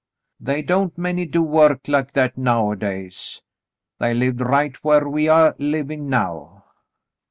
They don't many do work like that nowadays. They lived right whar we a' livin' now."